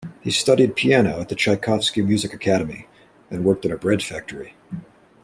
He studied piano at the Tchaikovsky Music Academy, then worked in a bread factory.